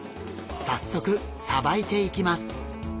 早速さばいていきます！